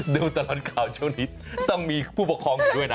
ดูตลอดข่าวช่วงนี้ต้องมีผู้ปกครองอยู่ด้วยนะ